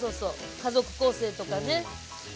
家族構成とかね。